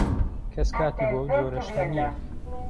کەس کاتی بۆ ئەو جۆرە شتە نییە.